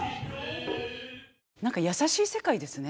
何か優しい世界ですね。